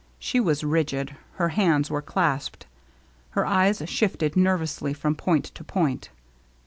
She was rigid; her hands were clasped; her eyes shifted nervously from point to point.